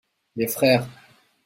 Les frères.